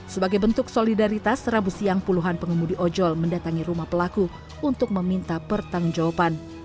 sebagai bentuk solidaritas rabu siang puluhan pengemudi ojol mendatangi rumah pelaku untuk meminta pertanggung jawaban